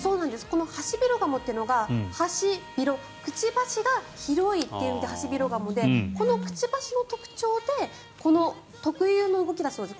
このハシビロガモというのがハシビロくちばしが広いというのでハシビロガモでこの特有の動きだそうです。